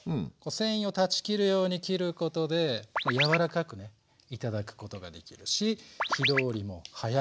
繊維を断ち切るように切ることでやわらかくね頂くことができるし火通りも早い。